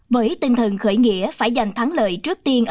với tinh thần khởi nghĩa phải giành thắng lợi trước tiên